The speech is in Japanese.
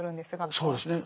そうですね。